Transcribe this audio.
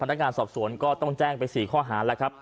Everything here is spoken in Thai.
นักงานสอบสวนก็ต้องแจ้งไป๔ข้อหาแล้วครับ